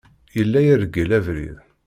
Yella ireggel abrid.